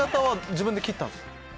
自分で切ったんですか？